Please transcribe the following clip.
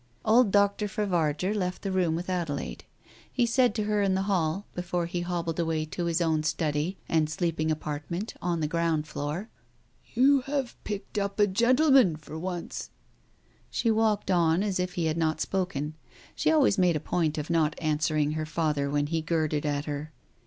Old Dr. Favarger left the room with Adelaide. He said to her in the hall, before he hobbled away to his own study and sleeping apartment on the ground floor — "You have picked up a gentleman for once." She walked on as if he had not spoken. She always made a point of not answering her father when he girded at her.